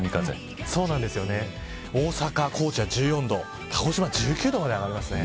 大阪、高知は１４度鹿児島、１９度まで上がります。